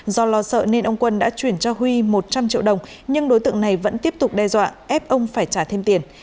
do lo sợ nên ông quân đã chuyển cho huy một trăm linh triệu đồng nhưng đối tượng này vẫn tiếp tục đe dọa ép ông phải trả thêm tiền